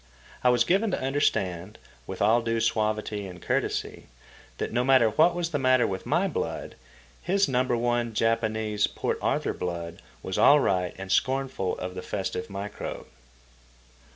I was given to understand, with all due suavity and courtesy, that no matter what was the matter with my blood, his number one, Japanese, Port Arthur blood was all right and scornful of the festive microbe.